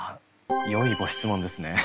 よいご質問ですね。